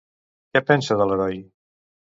Què pensa de l'heroi?